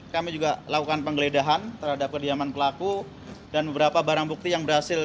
kami juga lakukan penggeledahan terhadap kediaman pelaku dan beberapa barang bukti yang berhasil